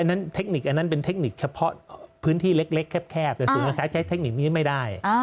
เทคนิคอันนั้นเป็นเทคนิคเฉพาะพื้นที่เล็กแคบแต่ศูนย์การค้าใช้เทคนิคนี้ไม่ได้